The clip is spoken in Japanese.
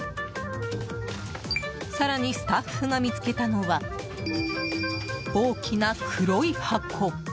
更に、スタッフが見つけたのは大きな黒い箱。